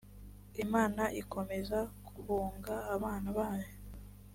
imana ikomeza kunga abana bayo.